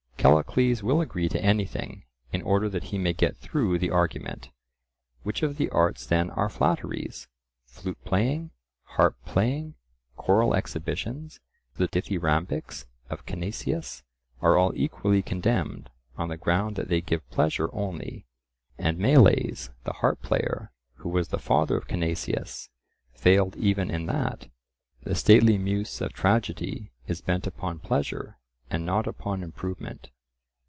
Callicles will agree to anything, in order that he may get through the argument. Which of the arts then are flatteries? Flute playing, harp playing, choral exhibitions, the dithyrambics of Cinesias are all equally condemned on the ground that they give pleasure only; and Meles the harp player, who was the father of Cinesias, failed even in that. The stately muse of Tragedy is bent upon pleasure, and not upon improvement.